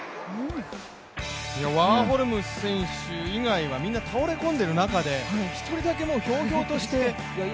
ワーホルム選手以外はみんな倒れ込んでいる中で１人だけひょうひょうとして。